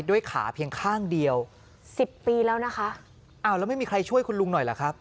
ด้วยขาเพียงข้างเดียวสิบปีแล้วนะคะอ้าวแล้วไม่มีใครช่วยคุณลุงหน่อยเหรอครับ